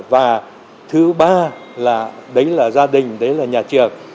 và thứ ba là đấy là gia đình đấy là nhà trường